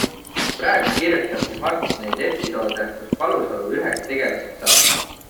Praegu kirjutabki Mart neid episoode, kus Palusalu üheks tegelaseks saab.